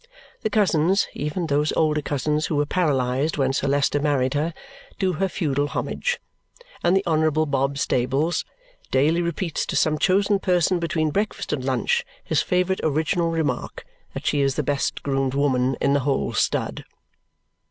The cousins, even those older cousins who were paralysed when Sir Leicester married her, do her feudal homage; and the Honourable Bob Stables daily repeats to some chosen person between breakfast and lunch his favourite original remark, that she is the best groomed woman in the whole stud.